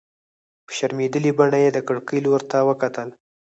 په شرمېدلې بڼه يې د کړکۍ لور ته وکتل.